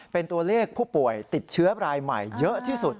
เป็นตัวเลขผู้ป่วยติดเชื้อรายใหม่เยอะที่สุด